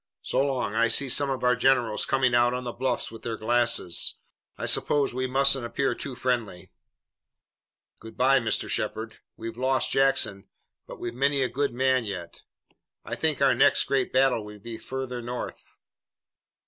So long, I see some of our generals coming out on the bluffs with their glasses. I suppose we mustn't appear too friendly." "Good bye, Mr. Shepard. We've lost Jackson, but we've many a good man yet. I think our next great battle will be farther north."